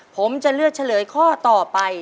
ผมจะเลือกเฉลยข้อต่อไป